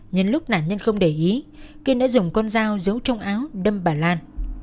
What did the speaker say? nhân lúc nạn nhân không để ý kiên đã dùng con dao giấu trong áo đâm bà lan